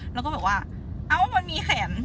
แล้วก็บอกว่าเอ้ามันมีแขน